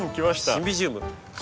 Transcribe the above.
シンビジウム。